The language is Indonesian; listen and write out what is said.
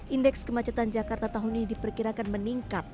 indeks kemacetan jakarta tahun ini diperkirakan meningkat